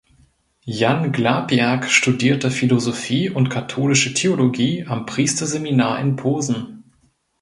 Jan Glapiak studierte Philosophie und Katholische Theologie am Priesterseminar in Posen.